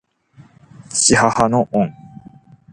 父母の恩。